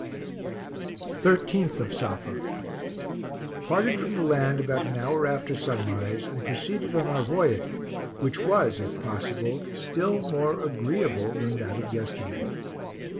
12th of Safa, Parted from the land about an hour after sunrise and proceeded on our voyage, which was, if possible, still more agreeable than that of yesterday.